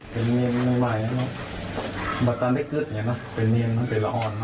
เป็นเนียมใหม่บัตรตาเล็กกึ๊ดอย่างเงี้ยนะเป็นเนียมมันเป็นละอ่อนนะ